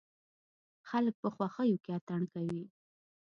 خلک په خوښيو کې اتڼ کوي.